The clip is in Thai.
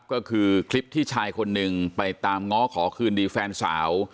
ก็คือคลิปที่ชายคนหนึ่งไปตามง้อขอคืนดีแฟนสาว